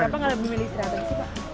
kenapa gak lebih milih sehatan